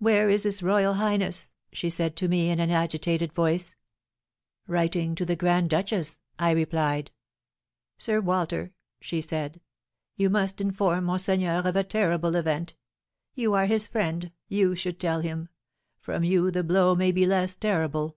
"Where is his royal highness?" she said to me, in an agitated voice. "Writing to the grand duchess," I replied. "Sir Walter," she said, "you must inform monseigneur of a terrible event. You are his friend, you should tell him; from you the blow may be less terrible!"